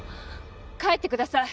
帰ってください。